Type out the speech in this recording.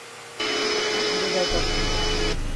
ছেড়ে দাও তাকে।